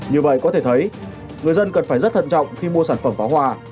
như vậy có thể thấy người dân cần phải rất thận trọng khi mua sản phẩm pháo hoa